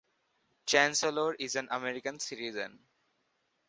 Chancellor is an American citizen.